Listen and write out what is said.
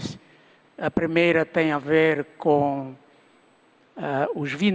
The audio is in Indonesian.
saya telah menetapkan empat pertanyaan penting